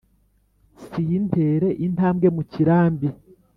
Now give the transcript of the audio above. sintere intambwe mu kirambi